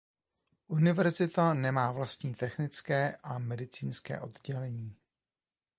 Univerzita nemá vlastní technické a medicínské oddělení.